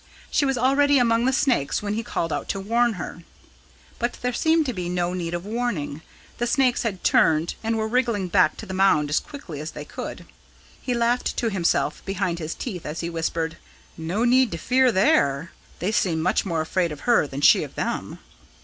She was already among the snakes when he called out to warn her. But there seemed to be no need of warning. The snakes had turned and were wriggling back to the mound as quickly as they could. He laughed to himself behind his teeth as he whispered, "No need to fear there. They seem much more afraid of her than she of them."